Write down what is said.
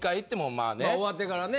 まあ終わってからね